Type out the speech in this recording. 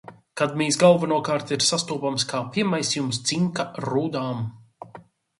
Kadmijs galvenokārt ir sastopamas kā piemaisījums cinka rūdām.